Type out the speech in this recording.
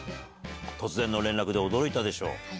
突然の連絡で驚いたでしょう？